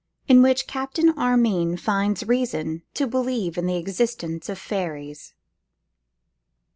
_In Which Captain Armine Finds Reason to Believe in the Existence of Fairies.